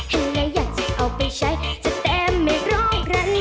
แหละอยากจะเอาไปใช้จะแต่ไม่รองรัน